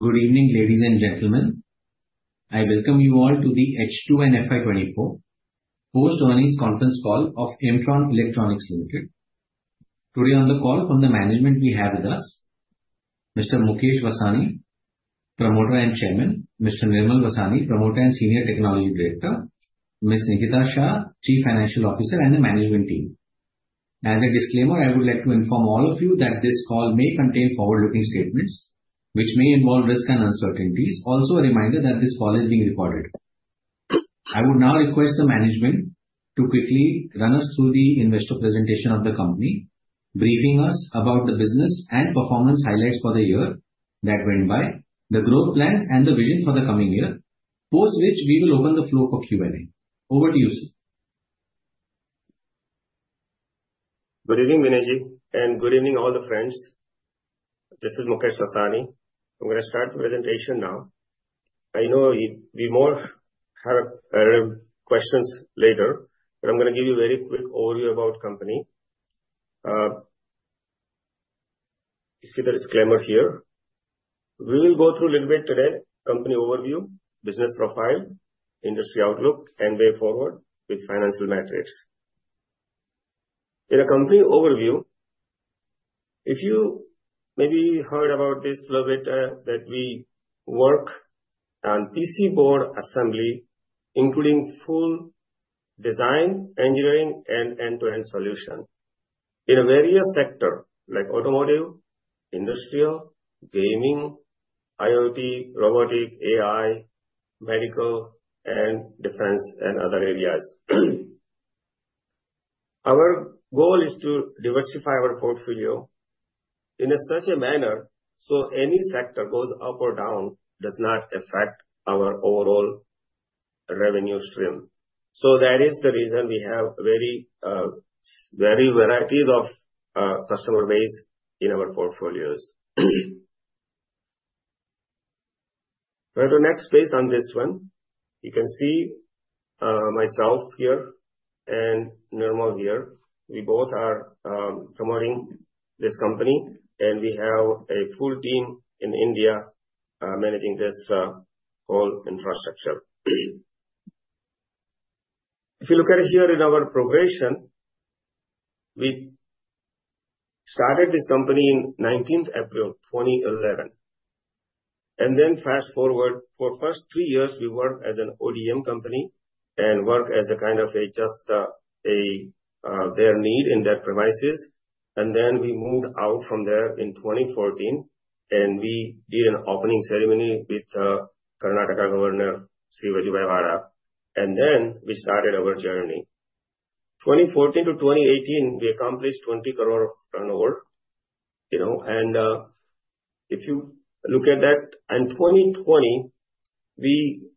Good evening, ladies and gentlemen. I welcome you all to the H2 and FY 2024 post-earnings conference call of Aimtron Electronics Limited. Today on the call from the management we have with us Mr. Mukesh Vasani, promoter and Chairman; Mr. Nirmal Vasani, promoter and Senior Technology Director; Ms. Nikita Shah, Chief Financial Officer; and the management team. As a disclaimer, I would like to inform all of you that this call may contain forward-looking statements, which may involve risks and uncertainties. Also, a reminder that this call is being recorded. I would now request the management to quickly run us through the investor presentation of the company, briefing us about the business and performance highlights for the year that went by, the growth plans and the vision for the coming year. Post which we will open the floor for Q&A. Over to you, sir. Good evening, Vineet, good evening, all the friends. This is Mukesh Vasani. I'm going to start the presentation now. I know we will have questions later, but I'm going to give you a very quick overview about company. You see the disclaimer here. We will go through a little bit today company overview, business profile, industry outlook, and way forward with financial metrics. In a company overview, if you maybe heard about this little bit, that we work on PC board assembly, including full design, engineering, and end-to-end solution in various sector like automotive, industrial, gaming, IoT, robotic, AI, medical, and defense, and other areas. Our goal is to diversify our portfolio in a such a manner, so any sector goes up or down does not affect our overall revenue stream. That is the reason we have very varieties of customer base in our portfolios. Go to the next please on this one. You can see myself here and Nirmal here. We both are promoting this company, and we have a full team in India managing this whole infrastructure. If you look at here in our progression, we started this company in 19th April 2011. Fast-forward, for first three years we worked as an ODM company and worked as a kind of just their need in their premises. We moved out from there in 2014, and we did an opening ceremony with Karnataka Governor, Shri Vajubhai Vala, and then we started our journey. 2014 to 2018, we accomplished 20 crore of turnover. If you look at that, in 2020, we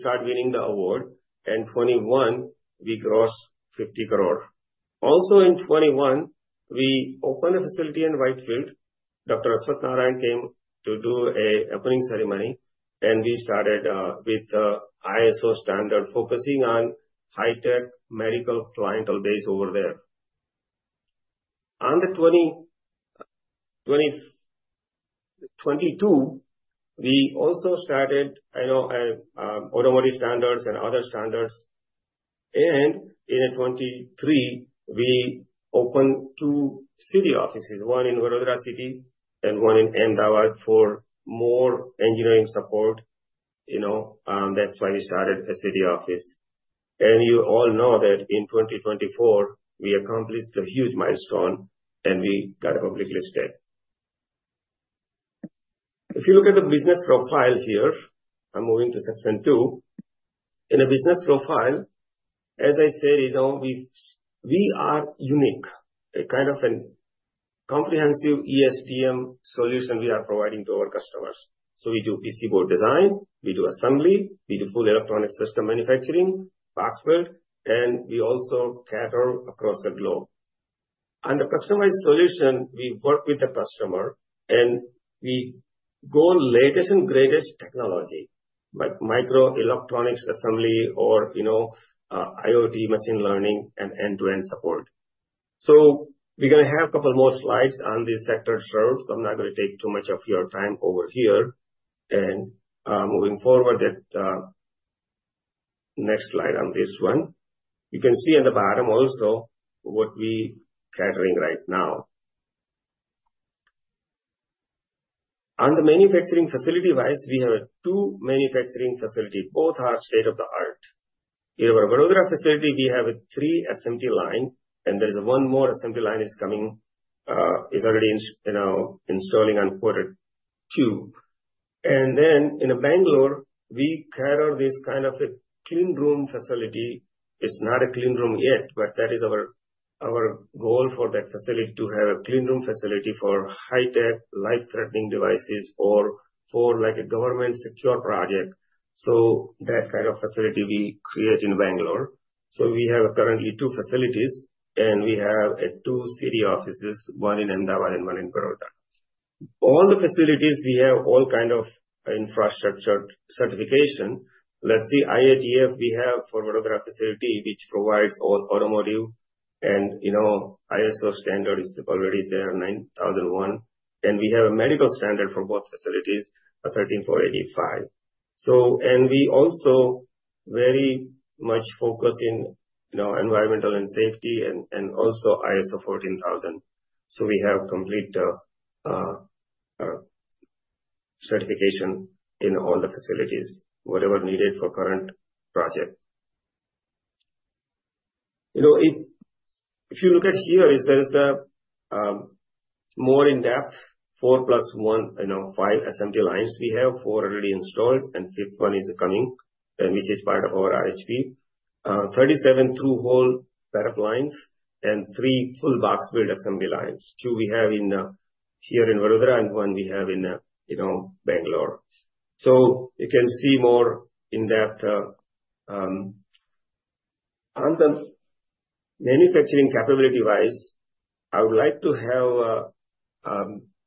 start winning the award. In 2021, we crossed INR 50 crore. Also in 2021, we opened a facility in Whitefield. Dr. Ashwath Narayan came to do an opening ceremony, and we started with ISO standard focusing on high-tech medical clientele base over there. Under 2022, we also started automotive standards and other standards. In 2023, we opened two city offices, one in Vadodara City and one in Ahmedabad for more engineering support. That's why we started a city office. You all know that in 2024, we accomplished a huge milestone, and we got publicly listed. If you look at the business profile here, I'm moving to section two. In a business profile, as I say, we are unique. A kind of an comprehensive ESDM solution we are providing to our customers. We do PC board design, we do assembly, we do full electronic system manufacturing, Box Build, and we also cater across the globe. Under customized solution, we work with the customer, we go latest and greatest technology, like microelectronics assembly or IoT machine learning and end-to-end support. We're going to have couple more slides on the sector serves. I'm not going to take too much of your time over here. Moving forward at next slide on this one. You can see at the bottom also what we catering right now. Under manufacturing facility wise, we have two manufacturing facility. Both are state-of-the-art. In our Vadodara facility, we have a three assembly line, there is one more assembly line is coming. Is already installing on quarter 2. In Bangalore, we cater this kind of a clean room facility. It's not a clean room yet, that is our goal for that facility to have a clean room facility for high-tech life-threatening devices or for a government secure project. That kind of facility we create in Bangalore. We have currently two facilities, we have two city offices, one in Ahmedabad, one in Vadodara. All the facilities, we have all kind of infrastructure certification. Let's see, IATF we have for Vadodara facility, which provides all automotive ISO standard is already there, 9001. We have a medical standard for both facilities, 13485. We also very much focused in environmental and safety and also ISO 14000. We have complete certification in all the facilities, whatever needed for current project. If you look at here, there is a more in-depth 4 plus 1, 5 SMT lines we have, 4 already installed, fifth one is coming, which is part of our ISP. 37 through-hole board lines and 3 full Box Build Assembly lines. 2 we have here in Vadodara, 1 we have in Bangalore. You can see more in that. On the manufacturing capability-wise,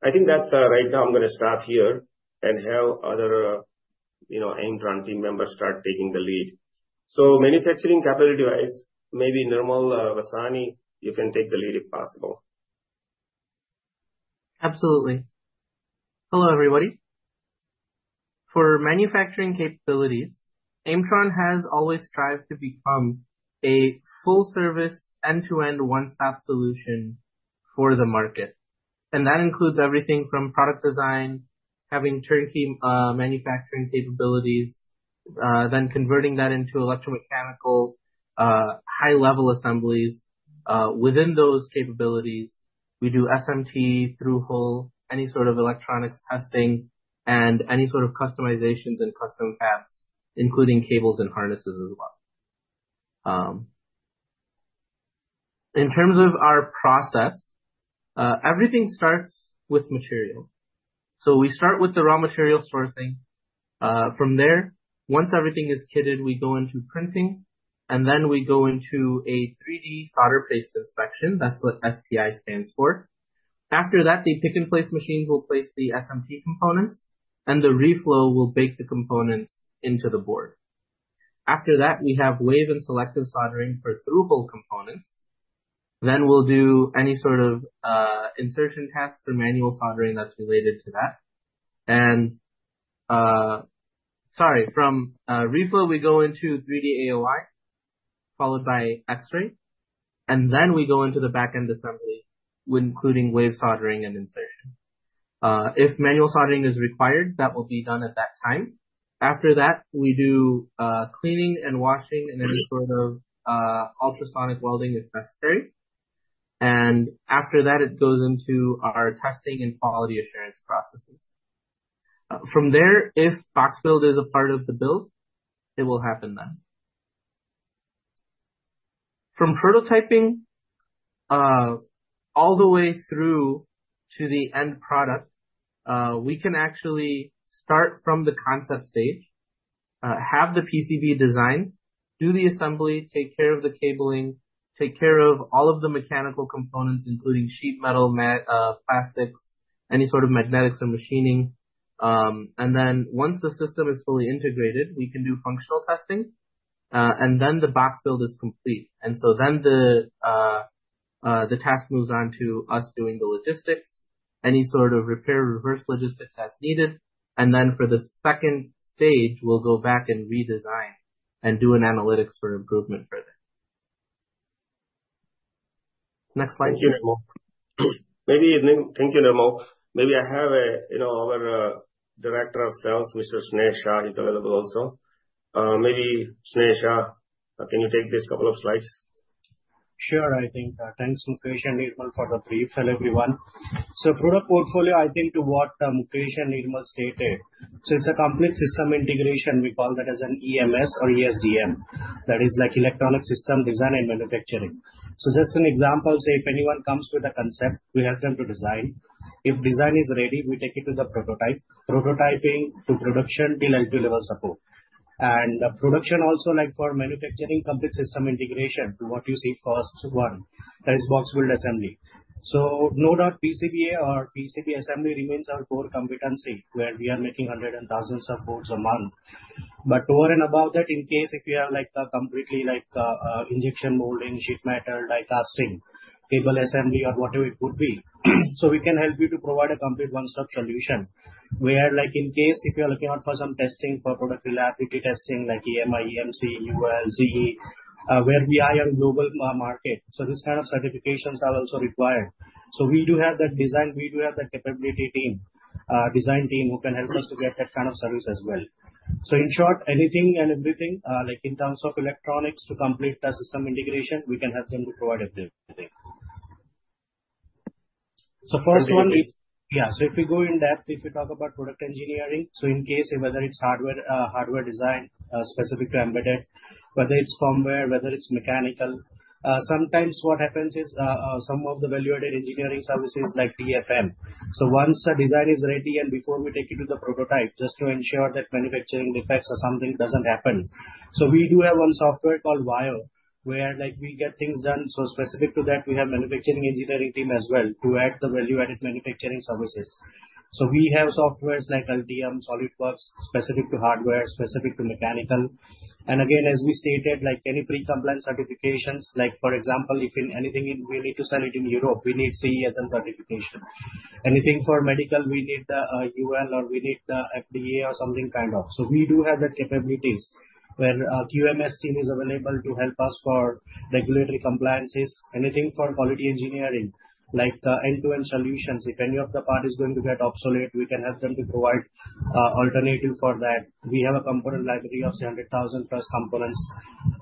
I think that's right now I'm going to stop here, have other Aimtron team members start taking the lead. Manufacturing capability-wise, maybe Nirmal Vasani, you can take the lead if possible. Absolutely. Hello, everybody. For manufacturing capabilities, Aimtron has always strived to become a full-service, end-to-end, one-stop solution for the market. That includes everything from product design, having turnkey manufacturing capabilities, converting that into electromechanical high-level assemblies. Within those capabilities, we do SMT through-hole, any sort of electronics testing, any sort of customizations and custom paths, including cables and harnesses as well. In terms of our process, everything starts with material. We start with the raw material sourcing. From there, once everything is kitted, we go into printing, then we go into a 3D solder paste inspection. That's what SPI stands for. After that, the pick-and-place machines will place the SMT components, the reflow will bake the components into the board. After that, we have wave and selective soldering for through-hole components. We'll do any sort of insertion tests or manual soldering that's related to that. Sorry, from reflow, we go into 3D AOI, followed by X-ray, and then we go into the back-end assembly, including wave soldering and insertion. If manual soldering is required, that will be done at that time. After that, we do cleaning and washing and any sort of ultrasonic welding if necessary. After that, it goes into our testing and quality assurance processes. From there, if box build is a part of the build, it will happen then. From prototyping all the way through to the end product, we can actually start from the concept stage, have the PCB design, do the assembly, take care of the cabling, take care of all of the mechanical components, including sheet metal, plastics, any sort of magnetics or machining. Once the system is fully integrated, we can do functional testing, the box build is complete. The task moves on to us doing the logistics, any sort of repair, reverse logistics as needed. For the 2 stage, we'll go back and redesign and do an analytics for improvement further. Next slide, Nirmal. Thank you, Nirmal. Maybe I have our Director of Sales, Mr. Sneh Shah, is available also. Maybe, Sneh Shah, can you take these couple of slides? Sure, I think. Thanks, Mukesh and Nirmal, for the brief. Hello, everyone. Product portfolio, I think to what Mukesh and Nirmal stated. It's a complete system integration, we call that as an EMS or ESDM. That is electronic system design and manufacturing. Just an example, say if anyone comes with a concept, we help them to design. If design is ready, we take it to the prototype. Prototyping to production, till end-to-end level support. Production also, like for manufacturing complete system integration, what you see first one, that is Box Build Assembly. No doubt, PCBA or PCB assembly remains our core competency, where we are making hundreds and thousands of boards a month. Over and above that, in case if you have completely, injection molding, sheet metal, die casting, cable assembly, or whatever it would be, we can help you to provide a complete one-stop solution, where like in case, if you're looking out for some testing for product reliability testing like EMI, EMC, UL, CE, where we are in global market. This kind of certifications are also required. We do have that design, we do have that capability team, design team who can help us to get that kind of service as well. In short, anything and everything, like in terms of electronics to complete the system integration, we can help them to provide everything. If we go in depth, if you talk about product engineering, in case whether it's hardware design, specific to embedded, whether it's firmware, whether it's mechanical. Sometimes what happens is, some of the value-added engineering services like DFM. Once a design is ready and before we take it to the prototype, just to ensure that manufacturing defects or something doesn't happen. We do have one software called Valor, where we get things done. Specific to that, we have manufacturing engineering team as well to add the value-added manufacturing services. We have softwares like Altium Designer, SOLIDWORKS specific to hardware, specific to mechanical. Again, as we stated, any pre-compliance certifications, for example, if we need to sell anything in Europe, we need CE certification. Anything for medical, we need the UL or we need the FDA or something kind of. We do have the capabilities where QMS team is available to help us for regulatory compliances. Anything for quality engineering, like end-to-end solutions. If any of the part is going to get obsolete, we can help them to provide alternative for that. We have a component library of 700,000 plus components.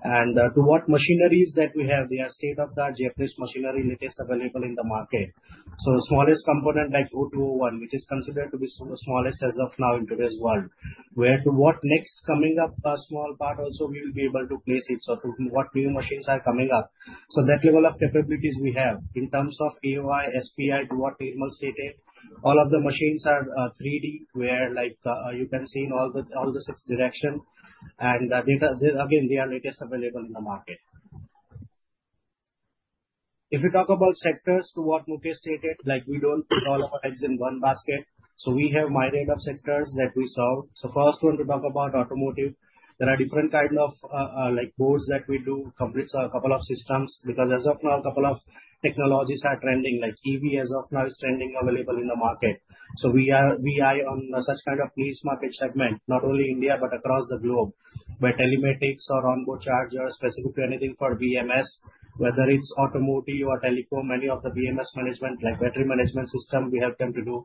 To what machineries that we have, they are state-of-the-art Japanese machinery, latest available in the market. The smallest component like 0201, which is considered to be the smallest as of now in today's world, where to what next coming up, small part also we will be able to place it. To what new machines are coming up. That level of capabilities we have. In terms of AOI, SPI, to what Nirmal stated, all of the machines are 3D, where you can see in all the six directions. Again, they are latest available in the market. If we talk about sectors to what Mukul stated, we don't put all of our eggs in one basket. We have myriad of sectors that we serve. First one we talk about automotive. There are different kind of boards that we do, completes a couple of systems, because as of now, a couple of technologies are trending. Like EV as of now is trending available in the market. We eye on such kind of niche market segment, not only India, but across the globe. Where telematics or onboard charger specific to anything for BMS, whether it's automotive or telecom, any of the BMS management like battery management system, we help them to do.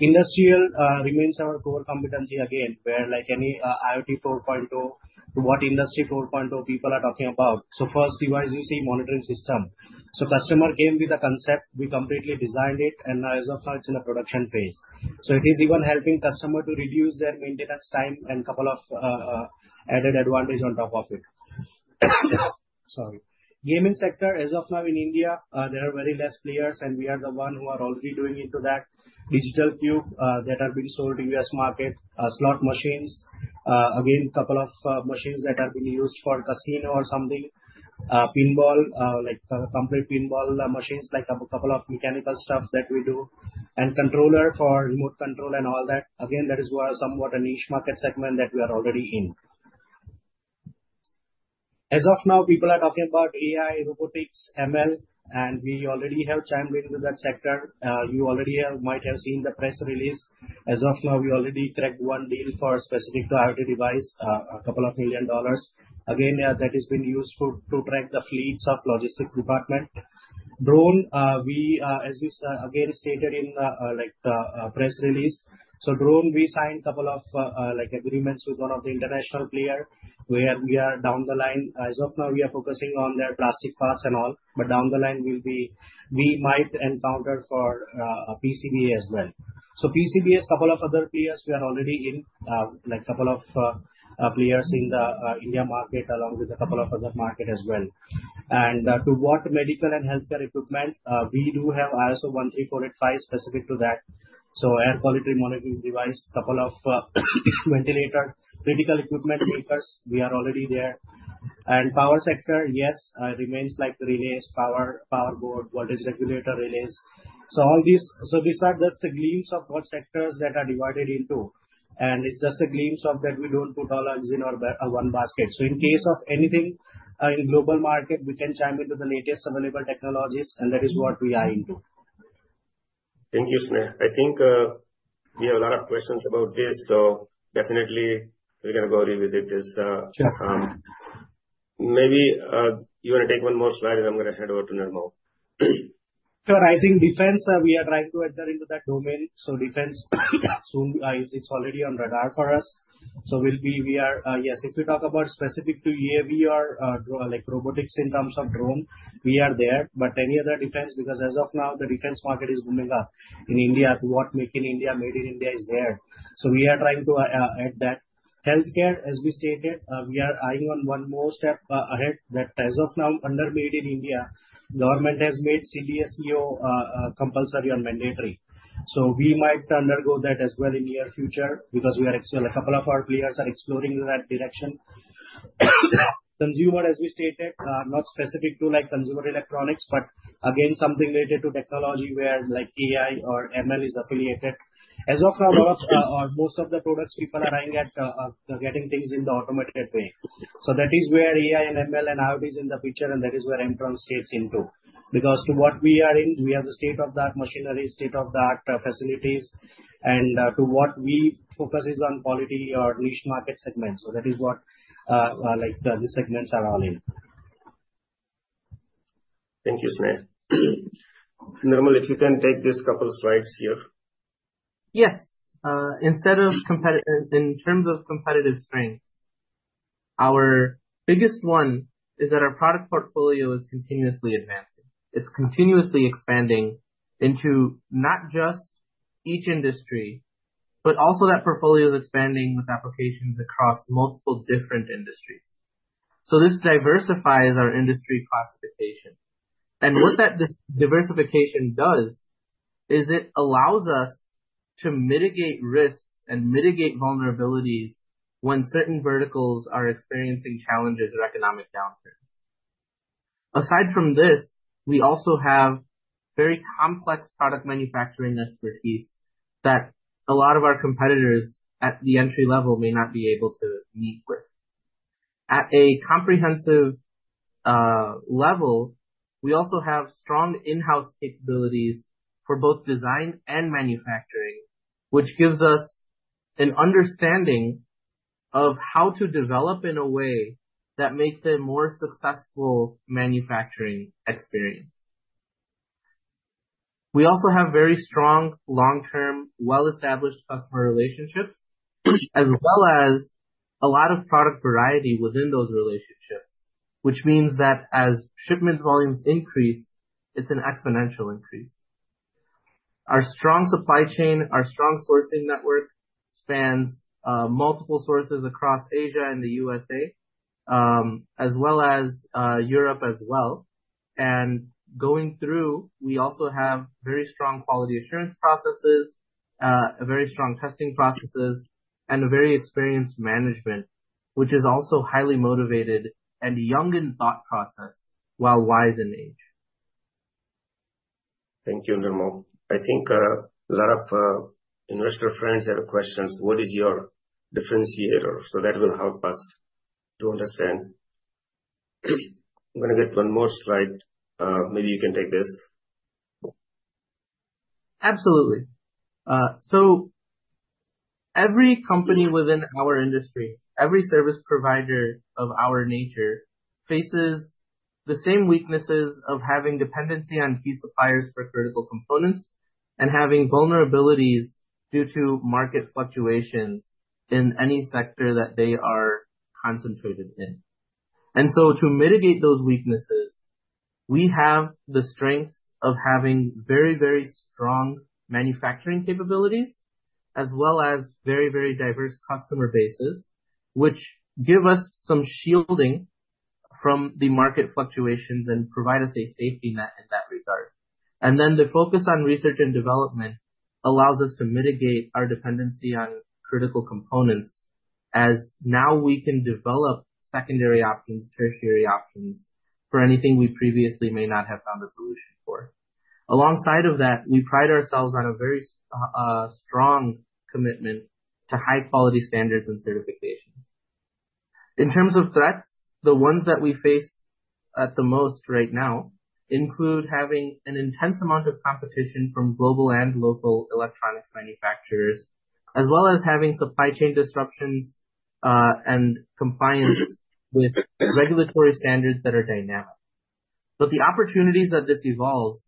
Industrial remains our core competency again, where any IoT 4.0 to what Industry 4.0 people are talking about. First device you see monitoring system. Customer came with a concept, we completely designed it, and as of now it's in a production phase. It is even helping customer to reduce their maintenance time and couple of added advantage on top of it. Sorry. Gaming sector, as of now in India, there are very less players, and we are the one who are already doing into that. Digital cube that have been sold in U.S. market. Slot machines, again, couple of machines that have been used for casino or something. Pinball, like complete pinball machines, like a couple of mechanical stuff that we do. Controller for remote control and all that. That is somewhat a niche market segment that we are already in. As of now, people are talking about AI, robotics, ML, and we already have channeled into that sector. You already might have seen the press release. As of now, we already tracked one deal for a specific IoT device, a couple of million dollars. That is been used to track the fleets of logistics department. Drone, as is again stated in the press release. Drone, we signed couple of agreements with one of the international player, where we are down the line. As of now, we are focusing on their plastic parts and all, but down the line we might encounter for PCBA as well. PCBA, couple of other players we are already in. Like couple of players in the India market, along with a couple of other market as well. To what medical and healthcare equipment, we do have ISO 13485 specific to that. Air quality monitoring device, couple of ventilator, critical equipment makers, we are already there. Power sector, yes, remains like relays, power board, voltage regulator relays. These are just a glimpse of what sectors that are divided into. It's just a glimpse of that we don't put all our eggs in one basket. In case of anything in global market, we can chime into the latest available technologies, that is what we are into. Thank you, Sneh. I think we have a lot of questions about this, definitely we're gonna go revisit this. Sure. Maybe you want to take one more slide, and I'm gonna hand over to Nirmal. Sure. I think defense we are trying to enter into that domain. Defense is already on radar for us. Yes, if we talk about specific to UAV or drone, like robotics in terms of drone, we are there. Any other defense, because as of now, the defense market is booming up in India to what Make in India, made in India is there. We are trying to add that. Healthcare, as we stated, we are eyeing on one more step ahead that as of now under made in India, government has made CDSCO compulsory or mandatory. We might undergo that as well in near future because a couple of our players are exploring in that direction. Consumer, as we stated, not specific to consumer electronics, but again, something related to technology where AI or ML is affiliated. As of now, most of the products people are eyeing at getting things in the automated way. That is where AI and ML and IoT is in the picture, and that is where Aimtron steps into. Because to what we are in, we have the state-of-the-art machinery, state-of-the-art facilities, and to what we focus is on quality or niche market segment. That is what these segments are all in. Thank you, Sneh. Nirmal, if you can take these couple slides here. Yes. In terms of competitive strengths, our biggest one is that our product portfolio is continuously advancing. It's continuously expanding into not just each industry, but also that portfolio is expanding with applications across multiple different industries. This diversifies our industry classification. What that diversification does is it allows us to mitigate risks and mitigate vulnerabilities when certain verticals are experiencing challenges or economic downturns. Aside from this, we also have very complex product manufacturing expertise that a lot of our competitors at the entry level may not be able to meet with. At a comprehensive level, we also have strong in-house capabilities for both design and manufacturing, which gives us an understanding of how to develop in a way that makes a more successful manufacturing experience. We also have very strong long-term, well-established customer relationships, as well as a lot of product variety within those relationships, which means that as shipment volumes increase, it's an exponential increase. Our strong supply chain, our strong sourcing network spans multiple sources across Asia and the U.S.A., as well as Europe. Going through, we also have very strong quality assurance processes, very strong testing processes, and a very experienced management, which is also highly motivated and young in thought process while wise in age. Thank you, Nirmal. I think a lot of investor friends have questions. What is your differentiator? That will help us to understand. I'm going to get one more slide. Maybe you can take this. Absolutely. Every company within our industry, every service provider of our nature, faces the same weaknesses of having dependency on key suppliers for critical components and having vulnerabilities due to market fluctuations in any sector that they are concentrated in. To mitigate those weaknesses, we have the strengths of having very strong manufacturing capabilities as well as very diverse customer bases, which give us some shielding from the market fluctuations and provide us a safety net in that regard. The focus on research and development allows us to mitigate our dependency on critical components, as now we can develop secondary options, tertiary options for anything we previously may not have found a solution for. Alongside of that, we pride ourselves on a very strong commitment to high-quality standards and certifications. In terms of threats, the ones that we face at the most right now include having an intense amount of competition from global and local electronics manufacturers, as well as having supply chain disruptions, and compliance with regulatory standards that are dynamic. The opportunities that this evolves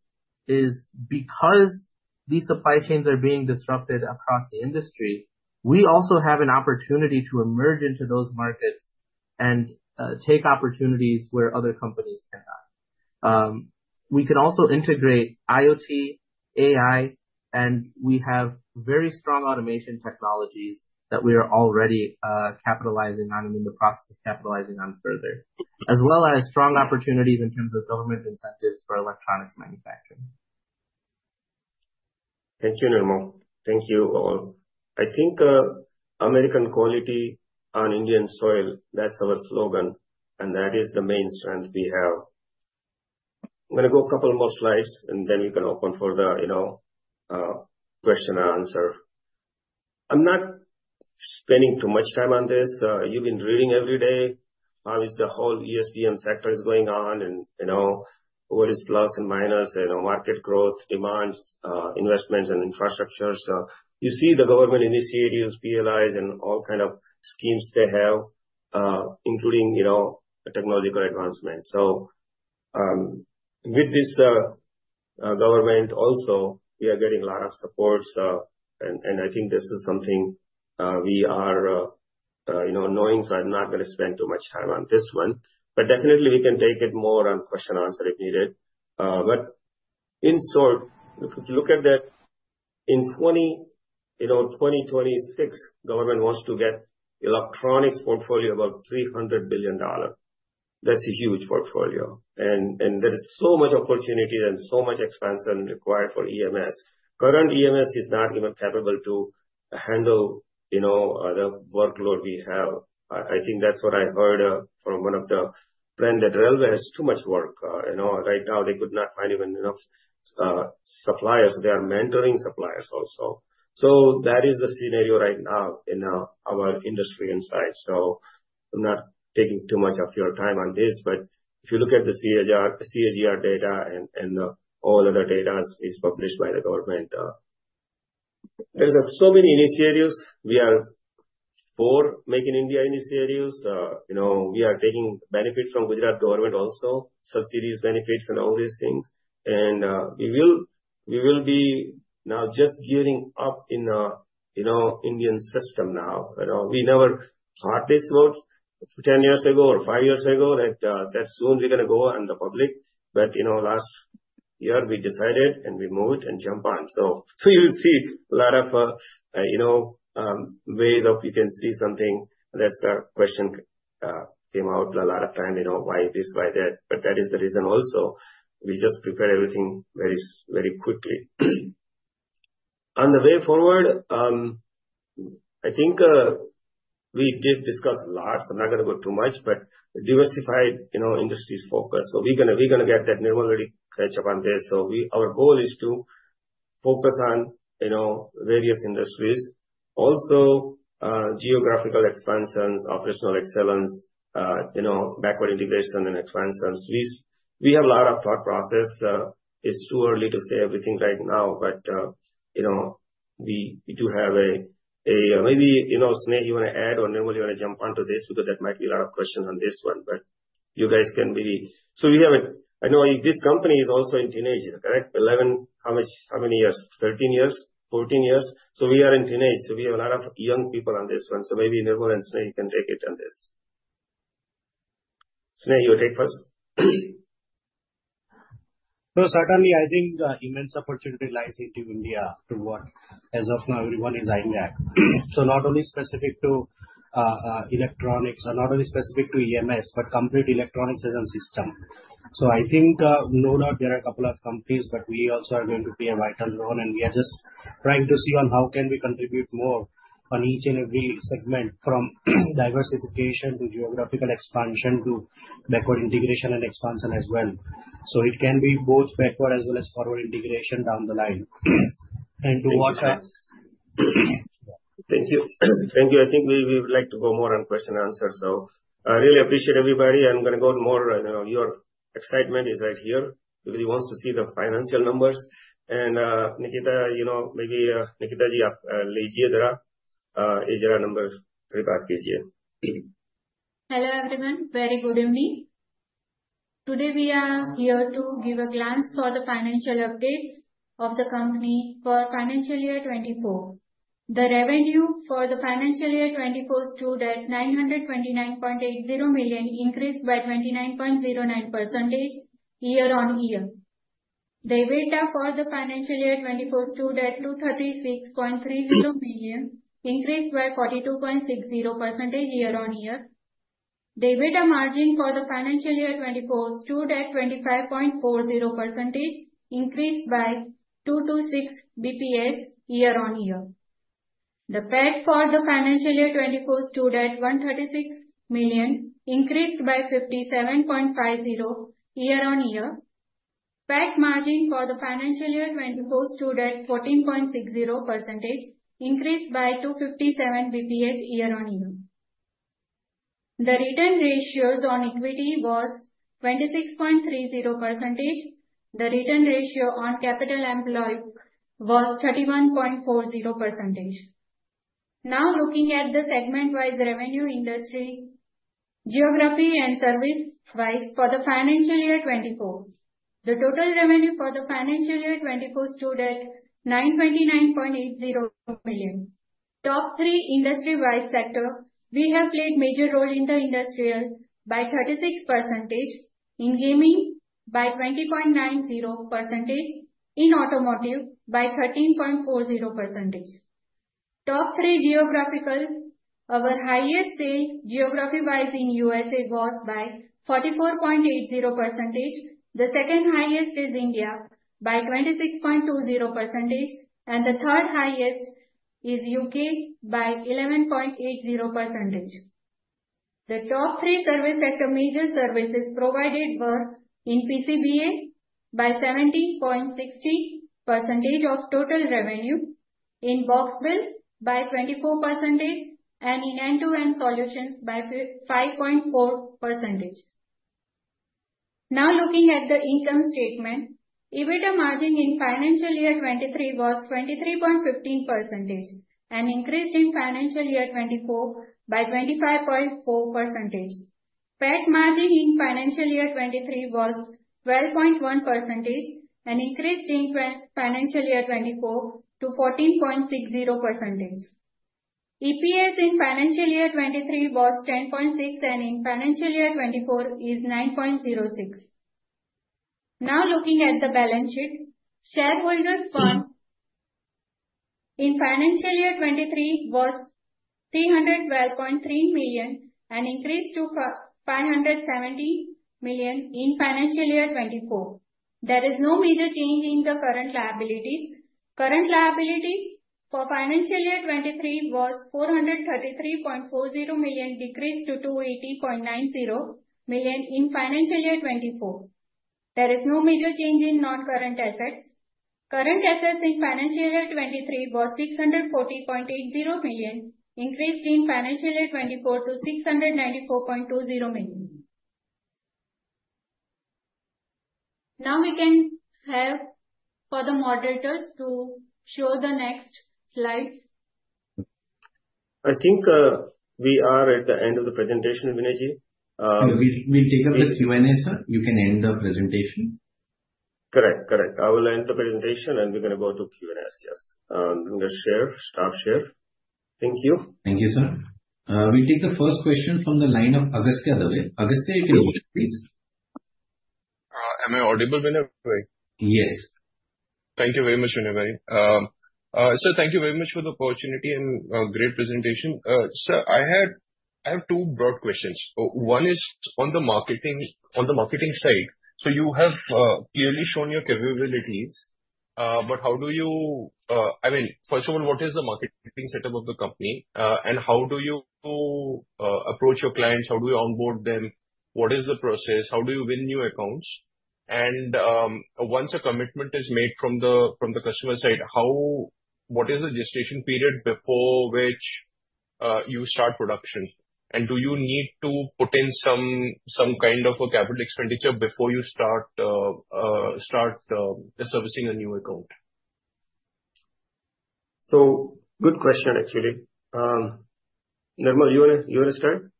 is because these supply chains are being disrupted across the industry, we also have an opportunity to emerge into those markets and take opportunities where other companies cannot. We can also integrate IoT, AI, and we have very strong automation technologies that we are already capitalizing on and in the process of capitalizing on further, as well as strong opportunities in terms of government incentives for electronics manufacturing. Thank you, Nirmal. Thank you all. I think American quality on Indian soil, that's our slogan, and that is the main strength we have. I'm going to go a couple more slides, and then we can open for the question and answer. I'm not spending too much time on this. You've been reading every day, how is the whole ESDM sector is going on, and what is plus and minus, market growth, demands, investments and infrastructure. You see the government initiatives, PLIs and all kind of schemes they have, including technological advancement. With this government also, we are getting lot of support, and I think this is something we are knowing, so I'm not going to spend too much time on this one. Definitely we can take it more on question and answer if needed. In short, if you look at that, in 2026, government wants to get electronics portfolio about $300 billion. That's a huge portfolio. There is so much opportunity and so much expansion required for EMS. Current EMS is not even capable to handle the workload we have. I think that's what I heard from one of the brand that really has too much work. Right now they could not find even enough suppliers. They are mentoring suppliers also. That is the scenario right now in our industry insights. I'm not taking too much of your time on this, but if you look at the CAGR data and all other data is published by the government. There's so many initiatives. We are for Make in India initiatives. We are taking benefits from Gujarat government also, subsidies, benefits and all these things. We will be now just gearing up in Indian system now. We never thought this would 10 years ago or five years ago that soon we're going to go on the public. Last year, we decided, and we moved and jump on. You will see a lot of ways of you can see something that's a question came out a lot of time, you know, why this, why that? That is the reason also, we just prepare everything very quickly. On the way forward, I think we did discuss a lot, I'm not going to go too much, diversified industries focus. We're going to get that. Nirva already touched upon this. Our goal is to focus on various industries. Also geographical expansions, operational excellence, backward integration and expansions. We have a lot of thought process. It's too early to say everything right now. Maybe Sneh, you want to add or Nirva, you want to jump onto this? There might be a lot of questions on this one. You guys can maybe I know this company is also in teenage, correct? 11, how many years? 13 years? 14 years? We are in teenage, so we have a lot of young people on this one. Maybe Nirva and Sneh, you can take it on this. Sneh, you take first. Certainly, I think immense opportunity lies into India to work. As of now, everyone is eyeing that. Not only specific to electronics or not only specific to EMS, but complete electronics as a system. I think, no doubt there are a couple of companies, but we also are going to play a vital role, and we are just trying to see on how can we contribute more on each and every segment, from diversification to geographical expansion to backward integration and expansion as well. It can be both backward as well as forward integration down the line. To watch us- Thank you. Thank you. I think we would like to go more on question and answer. I really appreciate everybody. I'm going to go more. Your excitement is right here because everyone wants to see the financial numbers. Nikita, maybe Nikita, Hello, everyone. Very good evening. Today, we are here to give a glance for the financial updates of the company for financial year 2024. The revenue for the financial year 2024 stood at INR 929.80 million, increased by 29.09% year-on-year. The EBITDA for the financial year 2024 stood at INR 236.30 million, increased by 42.60% year-on-year. The EBITDA margin for the financial year 2024 stood at 25.40%, increased by 2 to 6 basis points year-on-year. The PAT for the financial year 2024 stood at 136 million, increased by 57.50% year-on-year. PAT margin for the financial year 2024 stood at 14.60%, increased by 257 basis points year-on-year. The return ratios on equity was 26.30%. The return ratio on capital employed was 31.40%. Looking at the segment-wise revenue industry, geography and service-wise for the financial year 2024. The total revenue for the financial year 2024 stood at 929.80 million. Top three industry-wise sector, we have played major role in the industrial by 36%, in gaming by 20.90%, in automotive by 13.40%. Top three geographical, our highest sale geography-wise in the U.S. was by 44.80%. The second highest is India by 26.20%, and the third highest is the U.K. by 11.80%. The top three service sector major services provided were in PCBA by 17.60% of total revenue, in Box Build by 24%, and in end-to-end solutions by 5.4%. Looking at the income statement. EBITDA margin in financial year 2023 was 23.15%, and increased in financial year 2024 by 25.4%. PAT margin in financial year 2023 was 12.1% and increased in financial year 2024 to 14.60%. EPS in financial year 2023 was 10.6, and in financial year 2024 is 9.06. Looking at the balance sheet. Shareholders' fund in financial year 2023 was 312.3 million and increased to 570 million in financial year 2024. There is no major change in the current liabilities. Current liabilities for financial year 2023 was 433.40 million, decreased to 280.90 million in financial year 2024. There is no major change in non-current assets. Current assets in financial year 2023 was 640.80 million, increased in financial year 2024 to 694.20 million. We can have for the moderators to show the next slides. I think we are at the end of the presentation, Vinay. We'll take up the Q&A, sir. You can end the presentation. Correct. I will end the presentation and we're going to go to Q&A. Yes. Staff share. Thank you. Thank you, sir. We'll take the first question from the line of Agastya Dave. Agastya, you can go ahead, please. Am I audible, Vinay? Yes. Thank you very much, Vinay. Sir, thank you very much for the opportunity and great presentation. Sir, I have two broad questions. One is on the marketing side. You have clearly shown your capabilities, but first of all, what is the marketing setup of the company? How do you approach your clients? How do you onboard them? What is the process? How do you win new accounts? Once a commitment is made from the customer side, what is the gestation period before which you start production? Do you need to put in some kind of a capital expenditure before you start servicing a new account? Good question actually. Nirmal, you want to start?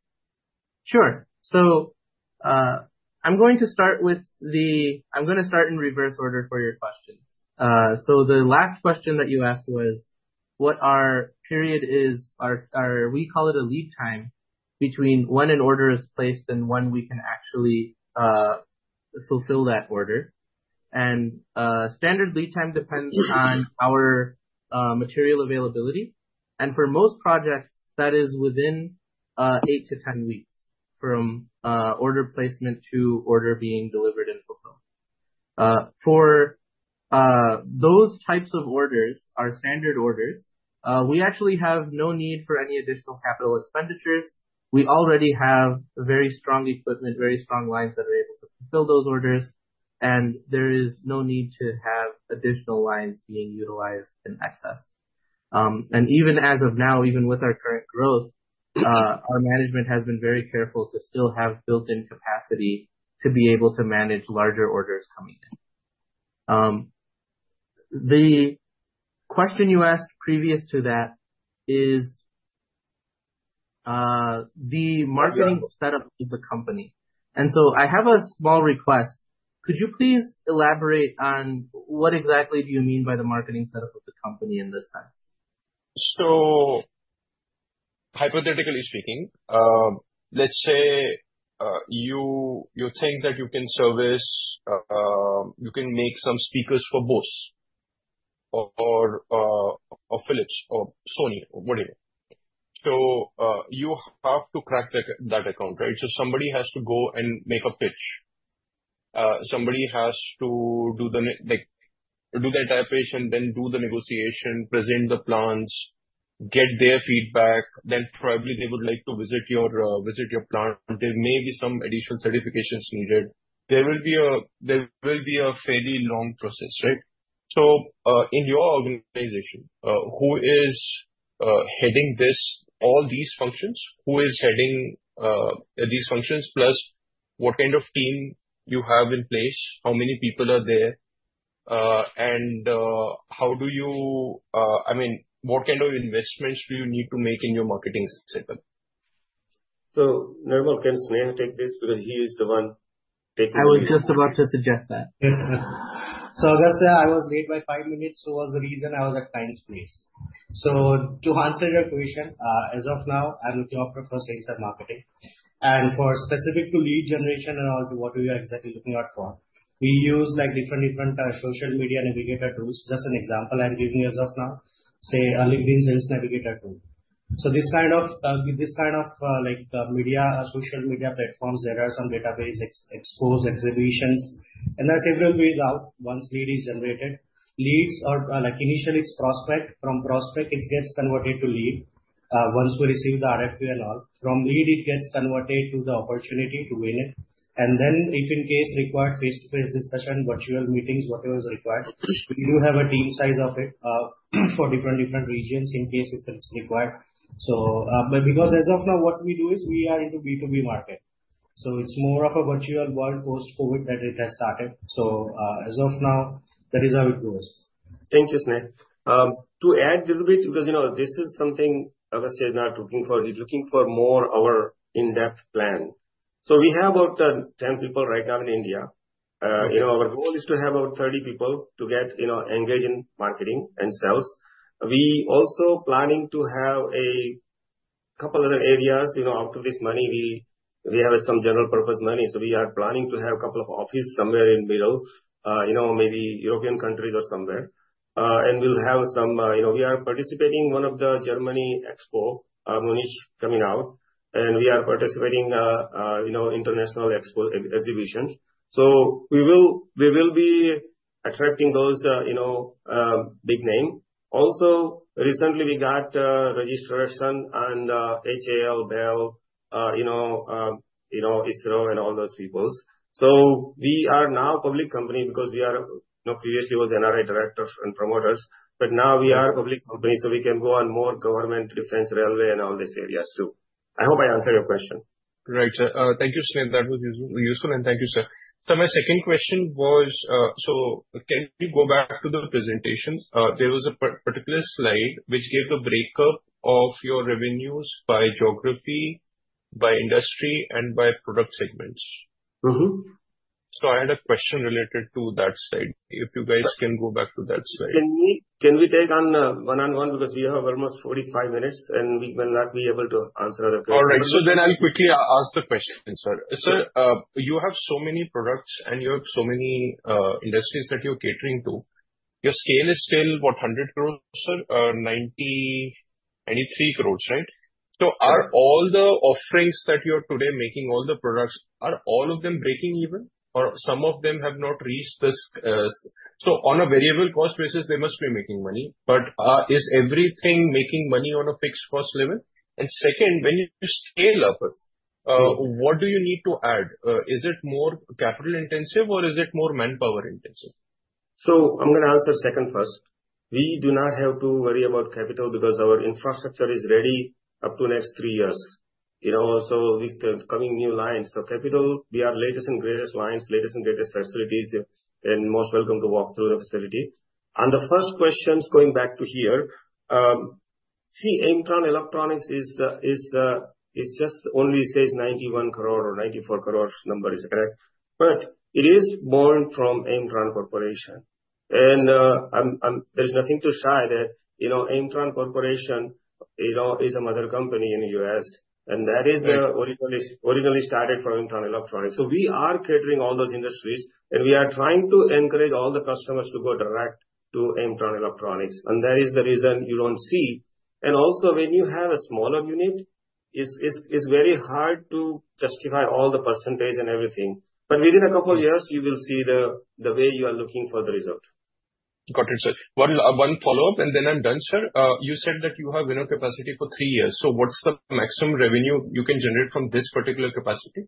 Sure. I'm going to start in reverse order for your questions. The last question that you asked was what our period is, we call it a lead time, between when an order is placed and when we can actually fulfill that order. Standard lead time depends on our material availability. For most projects, that is within eight to 10 weeks from order placement to order being delivered and fulfilled. For those types of orders, our standard orders, we actually have no need for any additional capital expenditures. We already have very strong equipment, very strong lines that are able to fulfill those orders, there is no need to have additional lines being utilized in excess. Even as of now, even with our current growth, our management has been very careful to still have built-in capacity to be able to manage larger orders coming in. The question you asked previous to that is the marketing setup of the company. I have a small request. Could you please elaborate on what exactly do you mean by the marketing setup of the company in this sense? Hypothetically speaking, let's say you think that you can make some speakers for Bose or Philips or Sony or whatever. You have to crack that account, right? Somebody has to go and make a pitch. Somebody has to do the iteration, then do the negotiation, present the plans, get their feedback, then probably they would like to visit your plant. There may be some additional certifications needed. There will be a fairly long process, right? In your organization, who is heading all these functions? Who is heading these functions, plus what kind of team you have in place? How many people are there? What kind of investments do you need to make in your marketing setup? Nirmal, can Sneh take this? I was just about to suggest that. August, I was late by five minutes, so was the reason I was at kind space. To answer your question, as of now, I'm looking after for sales and marketing, and for specific to lead generation and all to what we are exactly looking out for. We use different social media navigator tools, just an example I'm giving as of now, say, LinkedIn Sales Navigator tool. This kind of social media platforms, there are some database expos, exhibitions, and there are several ways out once lead is generated. Lead initially is prospect. From prospect, it gets converted to lead once we receive the RFP and all. From lead, it gets converted to the opportunity to win it. Then if in case required, face-to-face discussion, virtual meetings, whatever is required. We do have a team size of it, for different regions in case if it's required. Because as of now, what we do is we are into B2B market, it's more of a virtual world post-COVID that it has started. As of now, that is how it goes. Thank you, Sneh. To add a little bit, because this is something August is now looking for. He's looking for more our in-depth plan. We have about 10 people right now in India. Our goal is to have about 30 people to get engaged in marketing and sales. We also planning to have a couple other areas. Out of this money, we have some general purpose money, we are planning to have a couple of office somewhere in middle, maybe European countries or somewhere. We are participating one of the Germany expo, Munich, coming out, and we are participating international expo exhibition. We will be attracting those big name. Also, recently we got registration and HAL, BEL, ISRO and all those peoples. We are now public company because previously was NRI directors and promoters, but now we are a public company, so we can go on more government defense, railway, and all these areas too. I hope I answered your question. Right, sir. Thank you, Sneh. That was useful. Thank you, sir. My second question was, can we go back to the presentation? There was a particular slide which gave the breakup of your revenues by geography, by industry, and by product segments. I had a question related to that slide, if you guys can go back to that slide. Can we take one on one because we have almost 45 minutes, and we will not be able to answer the question. All right. I'll quickly ask the question then, sir. Sir, you have so many products, and you have so many industries that you're catering to. Your scale is still, what, 100 crore, sir? Or 93 crore, right? Are all the offerings that you're today making, all the products, are all of them breaking even? Or some of them have not reached this. On a variable cost basis, they must be making money. Is everything making money on a fixed cost level? Second, when you scale up, what do you need to add? Is it more capital intensive or is it more manpower intensive? I'm going to answer second first. We do not have to worry about capital because our infrastructure is ready up to next 3 years. With the coming new lines. Capital, they are latest and greatest lines, latest and greatest facilities, and most welcome to walk through the facility. The first question, going back to here. See, Aimtron Electronics is just only says 91 crore or 94 crore, if the number is correct. It is born from Aimtron Corporation. There's nothing to shy that Aimtron Corporation is a mother company in the U.S., and that is originally started from Aimtron Electronics. We are catering all those industries, and we are trying to encourage all the customers to go direct to Aimtron Electronics, and that is the reason you don't see. Also when you have a smaller unit, it's very hard to justify all the % and everything. Within a couple of years, you will see the way you are looking for the result. Got it, sir. One follow-up and then I'm done, sir. You said that you have enough capacity for three years. What's the maximum revenue you can generate from this particular capacity?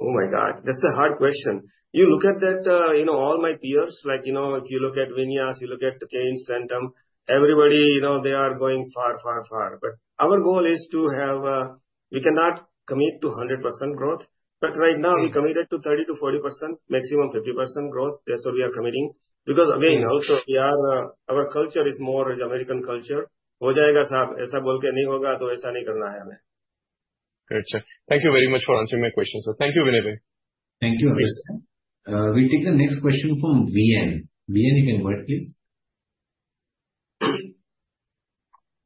Oh, my God. That's a hard question. You look at all my peers. If you look at Vinyas, you look at Centum, everybody, they are going far, far, far. We cannot commit to 100% growth. Right now we committed to 30%-40%, maximum 50% growth. That's what we are committing. Again, also our culture is more as American culture. "It will be done, sir." Speaking like this, if it won't get done, then we don't want to do it. Great, sir. Thank you very much for answering my question, sir. Thank you. Thank you. We take the next question from Vian. Vian, you can go ahead, please.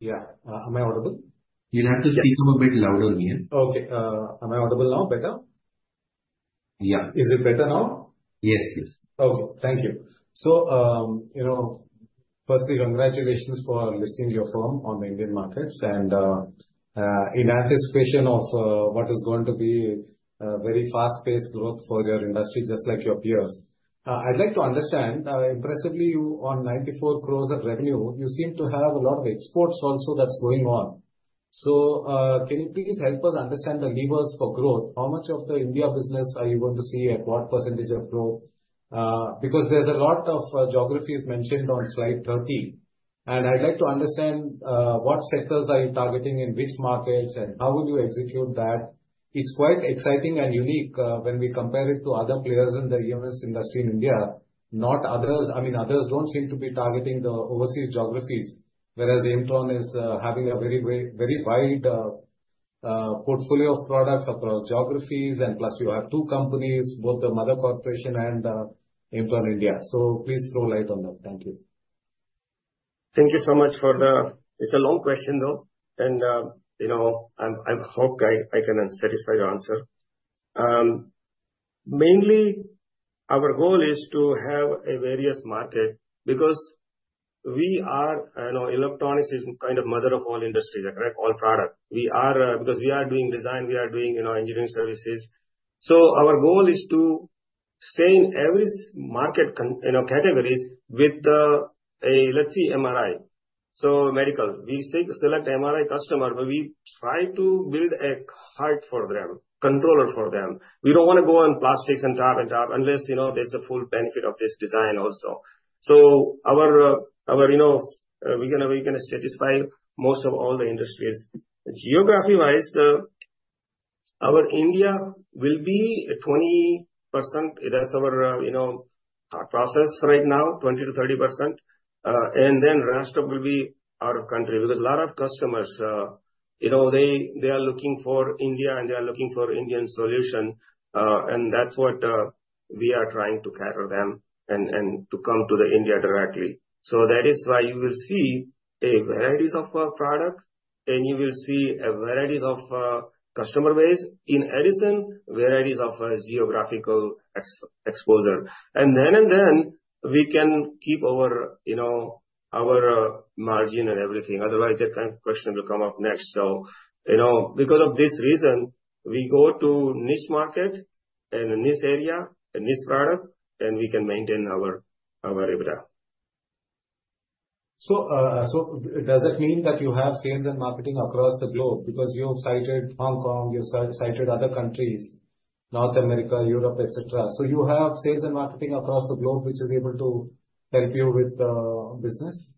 Yeah. Am I audible? You'll have to speak a bit louder, Vian. Okay. Am I audible now better? Yeah. Is it better now? Yes. Okay. Thank you. Firstly, congratulations for listing your firm on the Indian markets and in anticipation of what is going to be a very fast-paced growth for your industry, just like your peers. I'd like to understand, impressively, you on 94 crores of revenue, you seem to have a lot of exports also that's going on. Can you please help us understand the levers for growth? How much of the India business are you going to see and what percentage of growth? Because there's a lot of geographies mentioned on slide 30. I'd like to understand what sectors are you targeting in which markets, and how will you execute that? It's quite exciting and unique when we compare it to other players in the EMS industry in India. Others don't seem to be targeting the overseas geographies, whereas Aimtron is having a very wide portfolio of products across geographies, and plus you have two companies, both the mother corporation and Aimtron India. Please throw light on that. Thank you. Thank you so much for the. It's a long question, though. I hope I can satisfy your answer. Mainly, our goal is to have a various market because electronics is kind of mother of all industry, correct? All product. Because we are doing design, we are doing engineering services. Our goal is to stay in every market categories with, let's say MRI. Medical. We select MRI customer, but we try to build a heart for them, controller for them. We don't want to go on plastics and top and top unless there's a full benefit of this design also. We're going to satisfy most of all the industries. Geography-wise, our India will be 20%. That's our process right now, 20%-30%. Rest of will be out of country. A lot of customers, they are looking for India and they are looking for Indian solution. That's what we are trying to cater them and to come to the India directly. That is why you will see a varieties of product and you will see a varieties of customer base. In addition, varieties of geographical exposure. We can keep our margin and everything. Otherwise, that kind of question will come up next. Because of this reason, we go to niche market and a niche area, a niche product, and we can maintain our EBITDA. Does it mean that you have sales and marketing across the globe? Because you have cited Hong Kong, you cited other countries, North America, Europe, et cetera. You have sales and marketing across the globe, which is able to help you with business?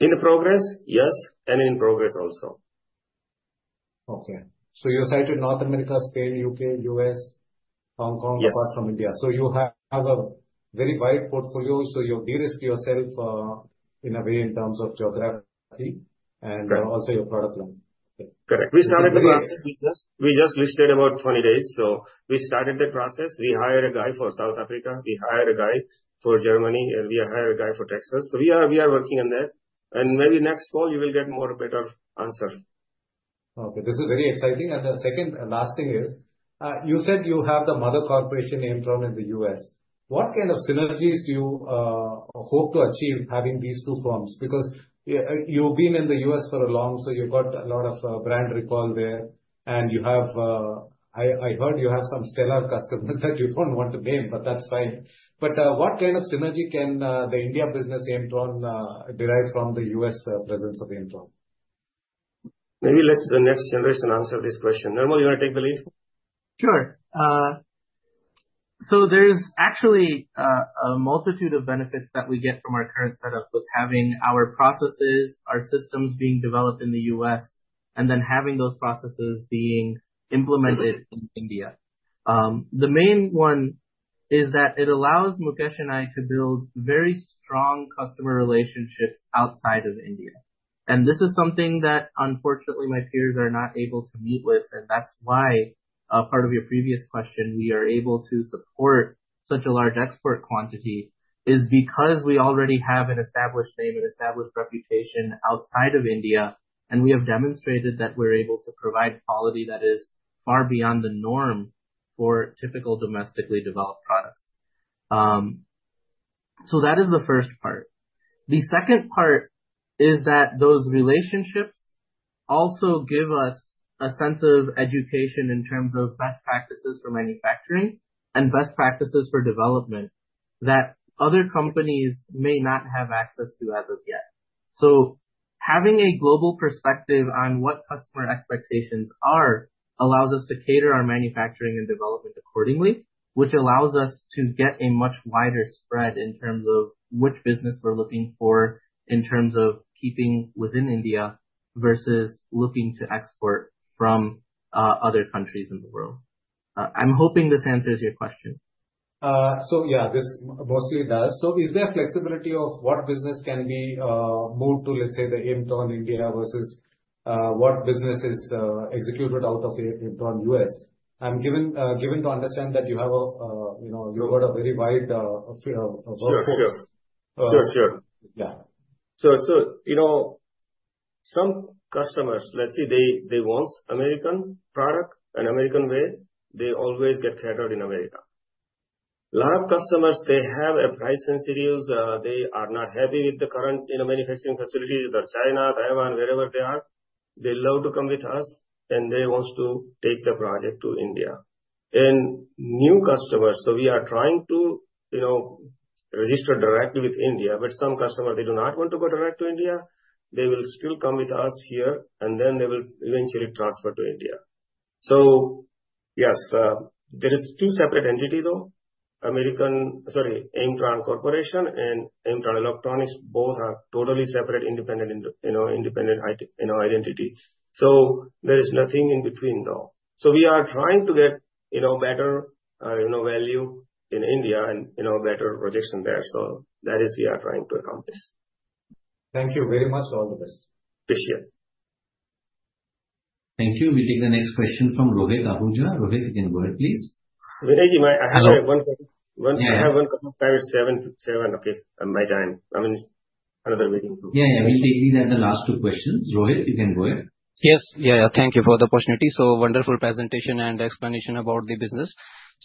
In progress, yes. In progress also. Okay. You cited North America, Spain, U.K., U.S., Hong Kong- Yes apart from India. You have a very wide portfolio. You de-risk yourself in a way in terms of geography and also your product line. Correct. We started the process. We just listed about 20 days. We started the process. We hired a guy for South Africa, we hired a guy for Germany, and we hired a guy for Texas. We are working on that. Maybe next call you will get more better answer. Okay, this is very exciting. The second and last thing is, you said you have the mother corporation, Aimtron, in the U.S. What kind of synergies do you hope to achieve having these two firms? Because you've been in the U.S. for long, so you've got a lot of brand recall there, and I heard you have some stellar customers that you don't want to name, but that's fine. What kind of synergy can the India business Aimtron derive from the U.S. presence of Aimtron? Maybe let the next generation answer this question. Nirmal, you want to take the lead? Sure. There's actually a multitude of benefits that we get from our current setup, with having our processes, our systems being developed in the U.S., and then having those processes being implemented in India. The main one is that it allows Mukesh and I to build very strong customer relationships outside of India. This is something that, unfortunately, my peers are not able to meet with, and that's why, part of your previous question, we are able to support such a large export quantity is because we already have an established name and established reputation outside of India, and we have demonstrated that we're able to provide quality that is far beyond the norm for typical domestically developed products. That is the first part. The second part is that those relationships also give us a sense of education in terms of best practices for manufacturing and best practices for development that other companies may not have access to as of yet. Having a global perspective on what customer expectations are allows us to cater our manufacturing and development accordingly, which allows us to get a much wider spread in terms of which business we're looking for, in terms of keeping within India versus looking to export from other countries in the world. I'm hoping this answers your question. Yeah, this mostly does. Is there flexibility of what business can be moved to, let's say, the Aimtron India versus what business is executed out of Aimtron U.S.? I'm given to understand that you've got a very wide workforce. Sure. Yeah. Some customers, let's say, they want American product and American way. They always get catered in America. Lot of customers, they have a price sensitive. They are not happy with the current manufacturing facilities, whether China, Taiwan, wherever they are. They love to come with us and they want to take the project to India. New customers, we are trying to register directly with India, but some customers, they do not want to go direct to India. They will still come with us here, and then they will eventually transfer to India. Yes, there is two separate entities, though. Aimtron Corporation and Aimtron Electronics both are totally separate, independent identities. There is nothing in between, though. We are trying to get better value in India and better projects there. That is we are trying to accomplish. Thank you very much. All the best. Thank you. Thank you. We'll take the next question from Rohit Ahuja. Rohit, you can go ahead, please. Vinay, I have one second. Yeah. I have one second. Time is seven. Okay, my time. I'm in another meeting. Yeah. These are the last two questions. Rohit, you can go ahead. Yes. Thank you for the opportunity. Wonderful presentation and explanation about the business.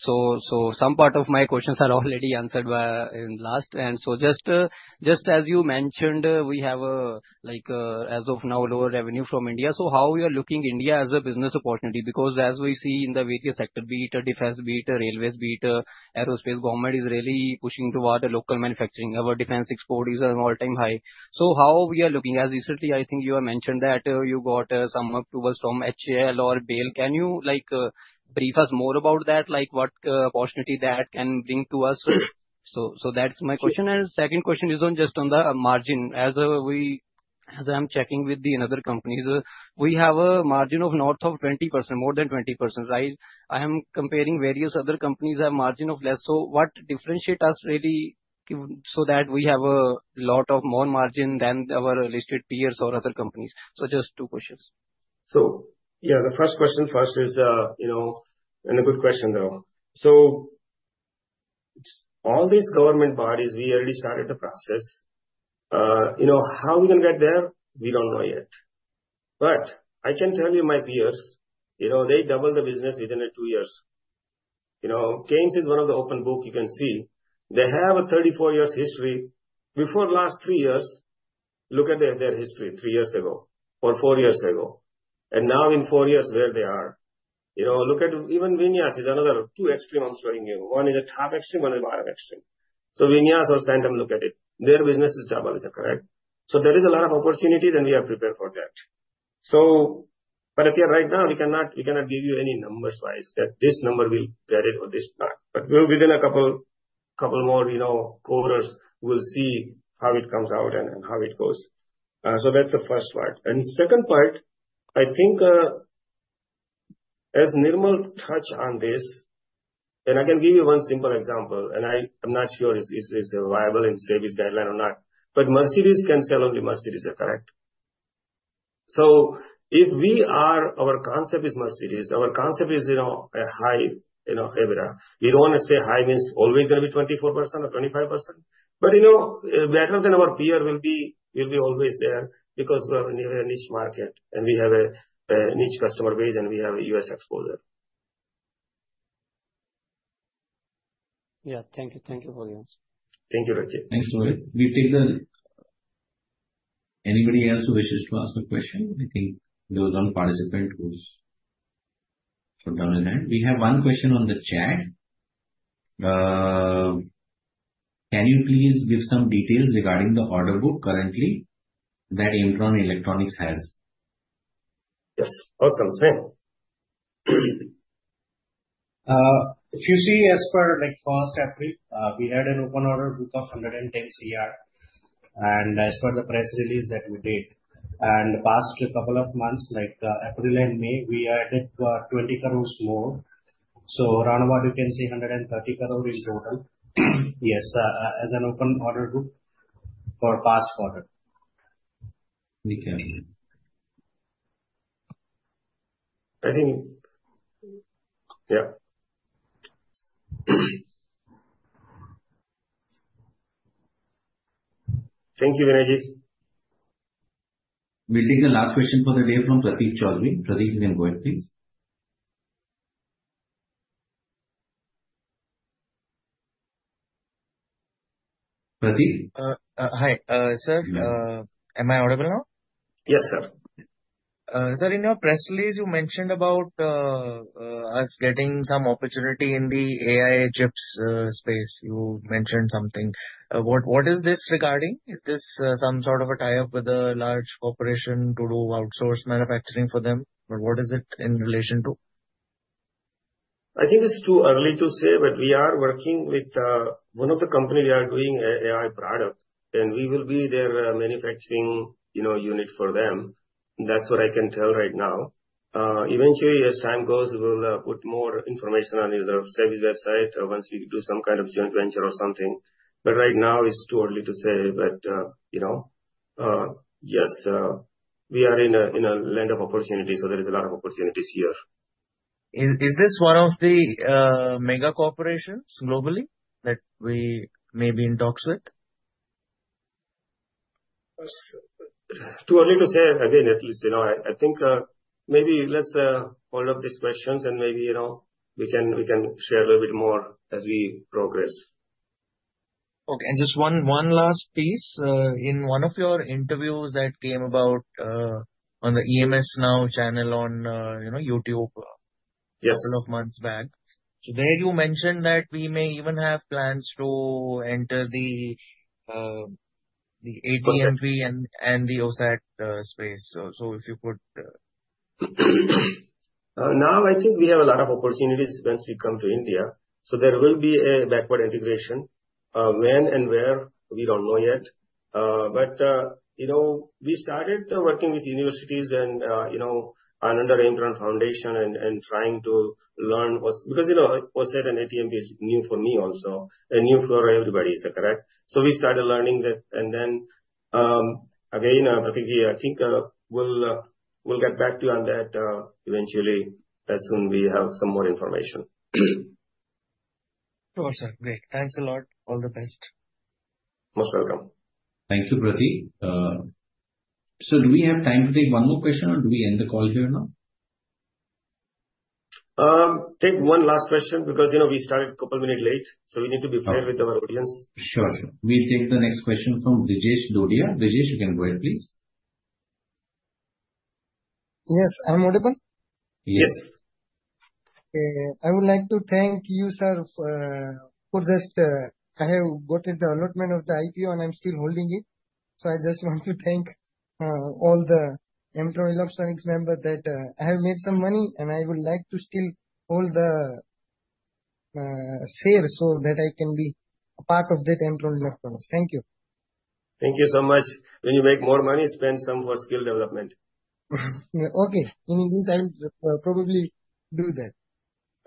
Some part of my questions are already answered in last. Just as you mentioned, we have as of now, lower revenue from India. How we are looking India as a business opportunity? Because as we see in the various sector, be it defense, be it railways, be it aerospace, government is really pushing toward the local manufacturing. Our defense export is an all-time high. How we are looking? As recently, I think you have mentioned that you got some approvals from HAL or BEL. Can you brief us more about that? What opportunity that can bring to us? That's my question. Second question is on just on the margin. As I'm checking with the another companies, we have a margin of north of 20%, more than 20%, right? I am comparing various other companies have margin of less. What differentiate us really so that we have a lot of more margin than our listed peers or other companies? Just two questions. Yeah, the first question first is a good question, though. All these government bodies, we already started the process. How are we going to get there? We don't know yet. I can tell you my peers, they double the business within a two years. JaysHind is one of the open book you can see. They have a 34 years history. Before last three years, look at their history three years ago or four years ago, and now in four years, where they are. Look at even Vinyas is another two extreme I'm showing you. One is a top extreme, one is a bottom extreme. Vinyas or Sandham, look at it. Their business is double. Is that correct? There is a lot of opportunity, and we are prepared for that. Right now, we cannot give you any numbers-wise that this number will get it or this not. Within a couple more quarters, we'll see how it comes out and how it goes. That's the first part. Second part, I think, as Nirmal touched on this, I can give you one simple example, I'm not sure is this reliable in service guideline or not. Mercedes-Benz can sell only Mercedes-Benz, correct? If our concept is Mercedes-Benz, our concept is a high EBITDA. We don't want to say high means always going to be 24% or 25%, but better than our peer will be always there because we have a niche market, and we have a niche customer base, and we have a U.S. exposure Yeah. Thank you. Thank you for the answer. Thank you, Pratik. Thanks, Rohit. Anybody else who wishes to ask a question? I think there was one participant who's put down a hand. We have one question on the chat. Can you please give some details regarding the order book currently that Aimtron Electronics has? Yes. Of course. Come, sir. If you see as per first half April, we had an open order book of 110 crore, as per the press release that we did. The past couple of months, like April and May, we added 20 crore more. Round about you can say 130 crore in total. Yes, as an open order book for past quarter. We can hear. I think Yeah. Thank you, Vinayak. We'll take the last question for the day from Pratik Chaudhary. Pratik, you can go ahead, please. Pratik? Hi. Sir, am I audible now? Yes, sir. Sir, in your press release, you mentioned about us getting some opportunity in the AI chips space. You mentioned something. What is this regarding? Is this some sort of a tie-up with a large corporation to do outsourced manufacturing for them? Or what is it in relation to? I think it's too early to say. We are working with one of the company, we are doing AI product, and we will be their manufacturing unit for them. That's what I can tell right now. Eventually, as time goes, we'll put more information on either SEBI's website or once we do some kind of joint venture or something. Right now it's too early to say. Yes, we are in a land of opportunity, there is a lot of opportunities here. Is this one of the mega corporations globally that we may be in talks with? Too early to say again, at least. I think maybe let's hold up these questions and maybe we can share a little bit more as we progress. Okay. Just one last piece. In one of your interviews that came about on the EMSNOW channel on YouTube. Yes A couple of months back. There you mentioned that we may even have plans to enter the ATMP and the OSAT space. If you could. I think we have a lot of opportunities once we come to India. There will be a backward integration. When and where, we don't know yet. We started working with universities and under Aimtron Foundation and trying to learn what. OSAT and ATMP is new for me also, and new for everybody? Is that correct? We started learning that. Again, Pratik, I think we'll get back to you on that eventually as soon we have some more information. Sure, sir. Great. Thanks a lot. All the best. Most welcome. Thank you, Pratik. Do we have time to take one more question, or do we end the call here now? Take one last question because we started a couple minutes late, so we need to be fair with our audience. Sure. We take the next question from Brijesh Dodia. Brijesh, you can go ahead, please. Yes, I am audible? Yes. I would like to thank you, sir, for this. I have got the allotment of the IPO, and I'm still holding it. I just want to thank all the Aimtron Electronics member that I have made some money, and I would like to still hold the share so that I can be a part of that Aimtron Electronics. Thank you. Thank you so much. When you make more money, spend some for skill development. Okay. In the future, I will probably do that.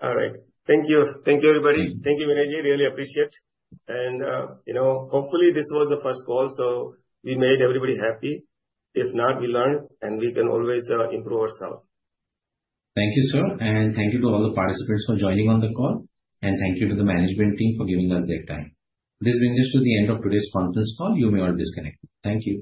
All right. Thank you. Thank you, everybody. Thank you, Vinayak. Really appreciate. Hopefully, this was the first call, so we made everybody happy. If not, we learn, and we can always improve ourselves. Thank you, sir. Thank you to all the participants for joining on the call. Thank you to the management team for giving us their time. This brings us to the end of today's conference call. You may all disconnect now. Thank you.